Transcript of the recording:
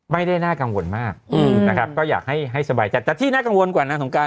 ไม่ได้น่ากังวลมากนะครับก็อยากให้ให้สบายใจแต่ที่น่ากังวลกว่านางสงการ